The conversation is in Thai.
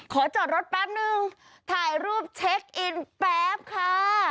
จอดรถแป๊บนึงถ่ายรูปเช็คอินแป๊บค่ะ